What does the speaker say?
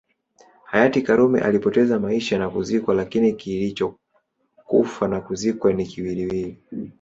Hayati karume alipoteza maisha na kuzikwa lakini kichokufa na kuzikwa ni kiwiliwili